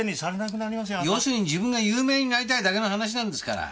要するに自分が有名になりたいだけの話なんですから。